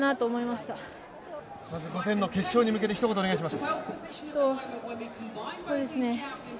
まず５０００の決勝に向けてひと言お願いします。